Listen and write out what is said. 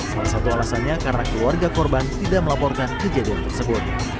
salah satu alasannya karena keluarga korban tidak melaporkan kejadian tersebut